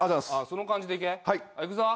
その感じでいけ。